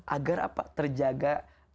agar apa terjaga